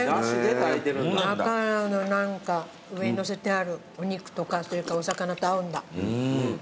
だから何か上に載せてあるお肉とかそれからお魚と合うんだ。